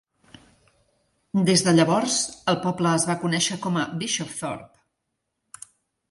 Des de llavors, el poble es va conèixer com a Bishopthorpe.